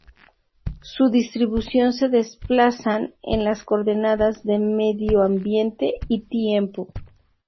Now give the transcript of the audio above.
Su distribución se desplazan en las coordenadas de 'Medio Ambiente' y 'Tiempo'.